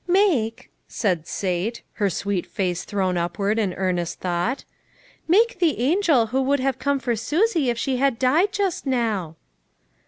" Make," said Sate, her sweet face thrown up ward in earnest thought, " make the angel who would have come for Susie if she had died just now."